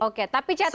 oke tapi catatan